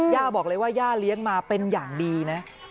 ย่าบอกเลยว่าย่าเลี้ยงมาเป็นอย่างดีนะ